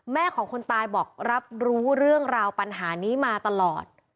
แม่ของคนตายบอกรับรู้เรื่องราวปัญหานี้มาตลอด